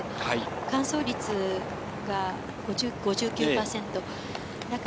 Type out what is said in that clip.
完走率が５９％。